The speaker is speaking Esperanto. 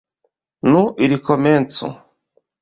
Nu, ili komencu!